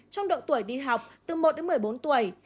trong độ tuổi đi học từ một đến một mươi bốn tuổi